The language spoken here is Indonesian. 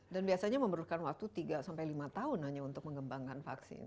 dan biasanya memerlukan waktu tiga sampai lima tahun hanya untuk mengembangkan vaksin